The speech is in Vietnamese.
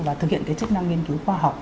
và thực hiện cái chức năng nghiên cứu